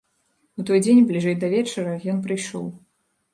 У той дзень, бліжэй да вечара, ён прыйшоў.